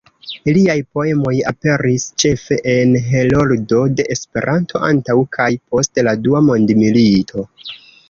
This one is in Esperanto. Liaj poemoj aperis ĉefe en Heroldo de Esperanto antaŭ kaj post la Dua Mondmilito.